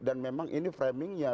dan memang ini framingnya